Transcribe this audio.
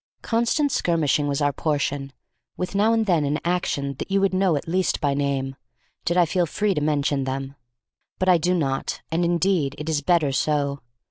Constant skirmishing was our portion, with now and then an action that you would know at least by name, did I feel free to mention them. But I do not, and indeed it is better so.